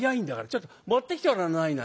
ちょっと持ってきてごらんなさいな。